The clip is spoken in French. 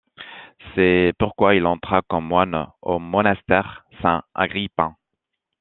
C'est pourquoi il entra comme moine au Monastère Saint-Agrippin.